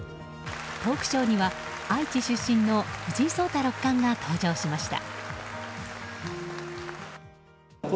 トークショーには愛知出身の藤井聡太六冠が登場しました。